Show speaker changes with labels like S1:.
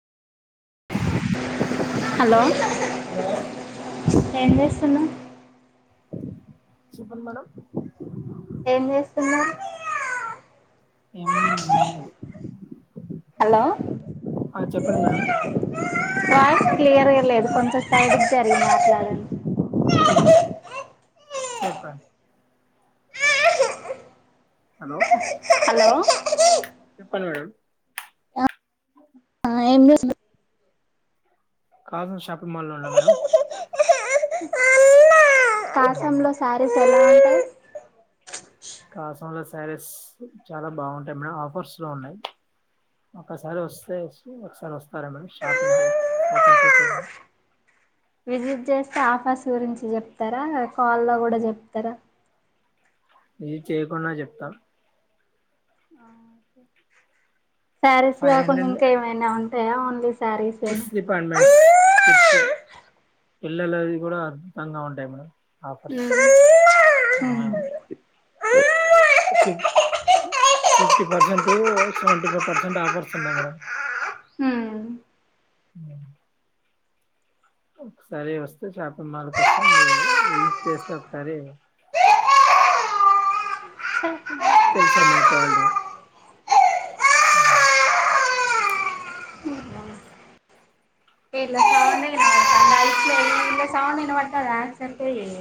S1: hello ఏం చేస్తున్నావ్
S2: చెప్పండి మేడంమ్
S1: ఏం చేస్తున్నావ్
S2: ఏముంది ఏమీలేదు ఆ చెప్పండి మేడ
S1: క్లాస్ క్లియర్గా లేదు కొంచె సైడ్ సరే మాట్లాడండి
S2: చెప్పండి హలో
S1: హలో
S2: చెప్పండి మేడమ్
S1: ఆ ఏం చేస్తున
S2: కాస షాపింగ్ మాల్లో ఉన్నా మేడం
S1: కాశంలో శారీస్ ఎలా ఉంటాయి
S2: కాస లో శారీస్ చాలా బాగుంటాయి మేడం ఆఫర్స్ లో ఉన్నాయి ఒకసారి వస్తే ఒకసారి వస్తారే మేడం షాపింగ్ షాపింగ్ చే చూడండి
S1: విజిట్ చేస్తే ఆఫర్స్ గురించి చెప్తారా కాల్ల్లో కూడా చెప్తారా
S2: ఇది చేయకుండా చెప్తాం
S1: శారీస్ కాకుండా ఇంకా ఏమైనా ఉంటాయా ఓన్లీ
S2: కిడ్స్ డిపార్ట్మెంట్స్ కిడ్స్ పిల్లలవి కూడా అద్భుతంగా ఉంటాయి madam offers [unintelligible] fifty percent seventy five percent offers ఉన్నాయి మేడమ్
S1: హుమ్
S2: అ ఒకసారి వస్తే షాపింగ్ మాల్కి వస్తాం చేస్తే ఒకసారి తెలుసా నా కాల్
S1: ఆన్లైన్ పడుతదా యాక్సెప్ట్ చేయ్యి